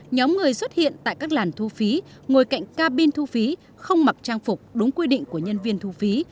nhóm người xuất hiện tại các làn thu phí ngồi cạnh cabin thu phí không mặc trang phục đúng quy định của nhân viên thu phí